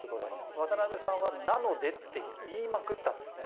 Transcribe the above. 渡辺さんは「なので」って言いまくったんですね。